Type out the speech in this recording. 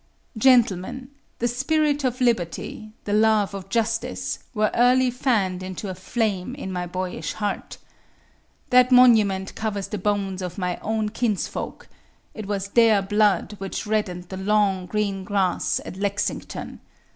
Gentlemen, the Spirit of Liberty, the Love of Justice, were early fanned into a flame in my boyish heart. That monument covers the bones of my own kinsfolk; it was their blood which reddened the long, green grass at Lexington.